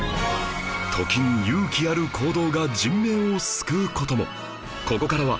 時に勇気ある行動が人命を救う事も